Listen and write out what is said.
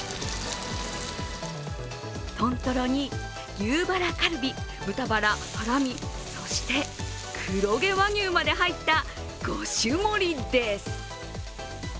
豚トロに牛バラカルビ、豚バラ、ハラミ、そして黒毛和牛まで入った５種盛りです。